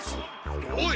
おい！